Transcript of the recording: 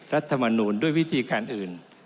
รัฐมนูลด้วยวิธีการอื่น